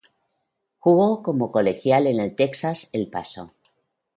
Jugo como colegial en Texas-El Paso.